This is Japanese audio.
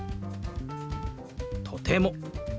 「とても」。